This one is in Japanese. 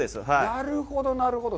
なるほど、なるほど。